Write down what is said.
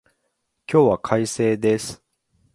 今日は快晴です。